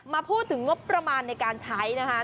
มาพูดถึงงบประมาณในการใช้นะคะ